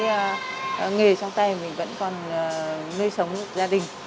và cho các cháu ăn hát tiếp thì mình vẫn còn nơi sống gia đình